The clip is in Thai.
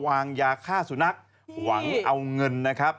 วางยาฆ่าสุนัขหวังเอาเงินนะครับ